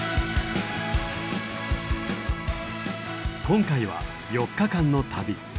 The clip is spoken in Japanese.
今回は４日間の旅。